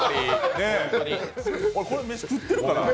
これで飯食ってるから。